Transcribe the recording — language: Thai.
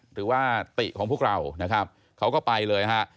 หรือว่าติของพวกเรานะครับเขาก็ไปเลยฮะ